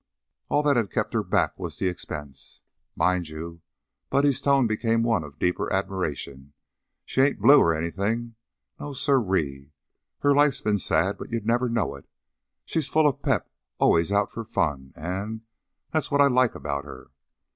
All that had kep' her back was the expense. Mind you" Buddy's tone became one of deeper admiration "she ain't blue, or anything. No sir ee! Her life's been sad, but you'd never know it. She's full of pep; allus out for fun, an' that's what I like about her.